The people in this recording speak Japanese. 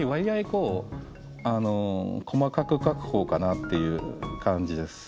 こう細かく描く方かなっていう感じです。